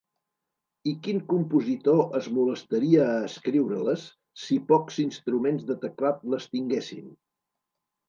I quin compositor es molestaria a escriure-les, si pocs instruments de teclat les tinguessin?